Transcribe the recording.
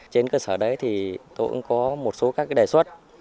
trên cơ sở đấy thì tôi cũng có một số các đề xuất